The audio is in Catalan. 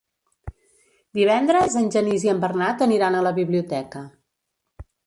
Divendres en Genís i en Bernat aniran a la biblioteca.